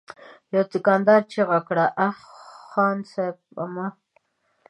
يوه دوکاندار چيغه کړه: اه! خان صيب! مه!